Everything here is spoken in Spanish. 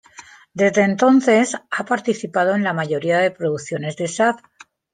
Desde entonces, ha participado en la mayoría de producciones de Shaft.